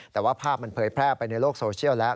แต่ว่าภาพมันเผยแพร่ไปในโลกโซเชียลแล้ว